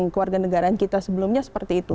keluarga negaraan kita sebelumnya seperti itu